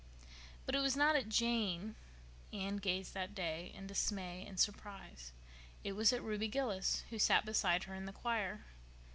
But it was not at Jane, Anne gazed that day in dismay and surprise. It was at Ruby Gillis, who sat beside her in the choir.